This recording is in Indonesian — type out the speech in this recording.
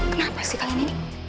kenapa sih kalian ini